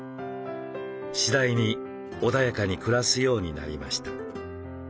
次第に穏やかに暮らすようになりました。